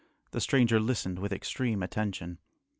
The stranger listened with extreme attention.